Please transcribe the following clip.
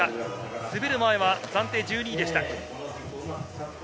滑る前は暫定１２位でした。